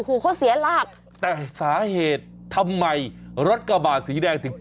อุ้ยโคตรเสียรากแต่สาเหตุทำไมรถกระบาดสีแดงถึง